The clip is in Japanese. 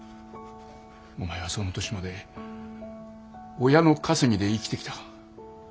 お前はその年まで親の稼ぎで生きてきた。